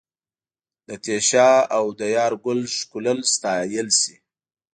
د تېشه او د یارګل ښکلل ستایل سي